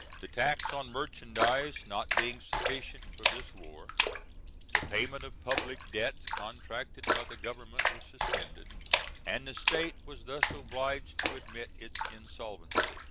The tax on merchandise not being sufficient for this war, the payment of public debts contracted by the government was suspended, and the State was thus obliged to admit its insolvency.